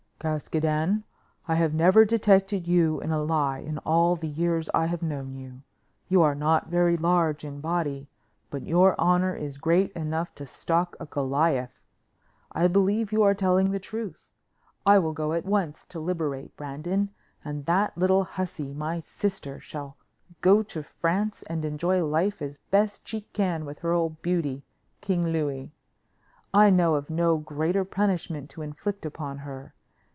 "Caskoden, I have never detected you in a lie in all the years I have known you; you are not very large in body, but your honor is great enough to stock a Goliath. I believe you are telling the truth. I will go at once to liberate Brandon; and that little hussy, my sister, shall go to France and enjoy life as best she can with her old beauty, King Louis. I know of no greater punishment to inflict upon her.